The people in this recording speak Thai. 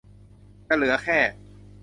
จะเหลือแค่